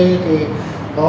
cho thuê làm